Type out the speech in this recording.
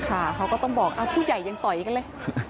ค่ะเขาก็ต้องบอกผู้ใหญ่ยังต่อยกันเลย